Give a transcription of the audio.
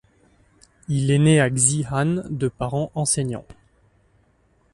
Il est né à Xi'an de parents enseignants.